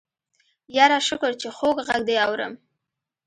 يره شکر چې خوږ غږ دې اورم.